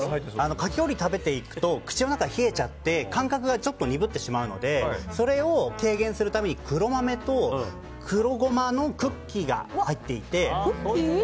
かき氷食べていくと口の中が冷えちゃって感覚が鈍ってしまうのでそれを軽減するために黒豆と黒ゴマのクッキーが入っていて。